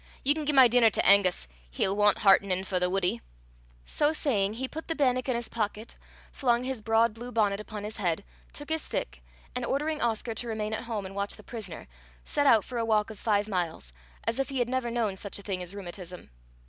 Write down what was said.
Ye can gie my denner to Angus: he'll want hertenin' for the wuddie (gallows)." So saying he put the bannock in his pocket, flung his broad blue bonnet upon his head, took his stick, and ordering Oscar to remain at home and watch the prisoner, set out for a walk of five miles, as if he had never known such a thing as rheumatism.